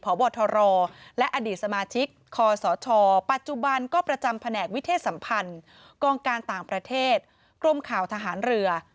พบทรและอดีตสมาชิกคอสชปัจจุบันก็ประจำแผนกวิเทศสัมพันธ์กองการต่างประเทศกรมข่าวทหารเรือ